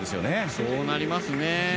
そうなりますね。